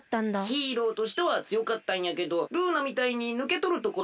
ヒーローとしてはつよかったんやけどルーナみたいにぬけとるところはあったのう。